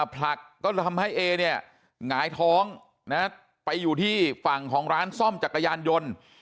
ผลักก็ทำให้เอเนี่ยหงายท้องไปอยู่ที่ฝั่งของร้านซ่อมจักรยานยนต์